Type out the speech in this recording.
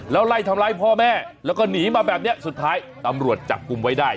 แล้วไล่ทำร้ายพ่อแม่แล้วก็หนีมาแบบนี้สุดท้ายตำรวจจับกลุ่มไว้ได้